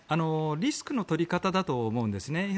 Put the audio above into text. リスクの取り方だと思うんですね。